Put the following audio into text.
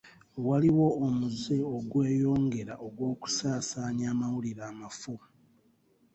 Waliwo omuze ogweyongera ogw'okusaasaanya amawulire amafu.